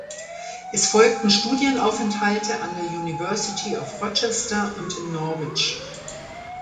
Es folgten Studienaufenthalte an der University of Rochester und in Norwich.